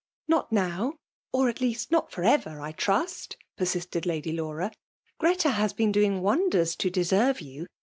'Nt>t now, ot at least not fbr evef) I trui^t/* persisted Lady lAura. '' Greta has ^ bm^ doing wonders to deserve you.